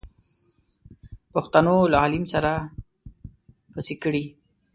پښتنو له عليم سره پڅې کړې.